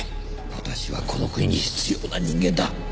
私はこの国に必要な人間だ。